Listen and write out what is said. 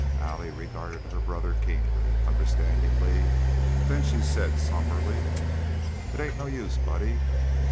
Allie regarded her brother keenly, understandingly, then she said, somberly, "It ain't no use, Buddy."